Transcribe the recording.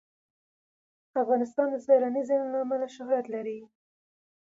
افغانستان د سیلانی ځایونه له امله شهرت لري.